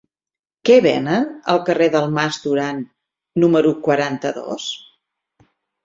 Què venen al carrer del Mas Duran número quaranta-dos?